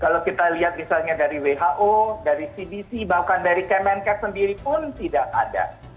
kalau kita lihat misalnya dari who dari cdc bahkan dari kemenkes sendiri pun tidak ada